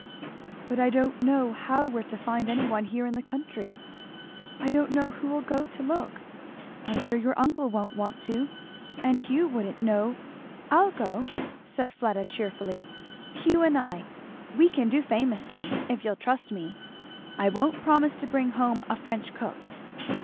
"But I don't know how we're to find any one here in the country I don't know who'll go to look I am sure your uncle won't want to, and Hugh wouldn't know " "I'll go," said Fleda cheerfully; "Hugh and I. We can do famously if you'll trust me. I won't promise to bring home a French cook."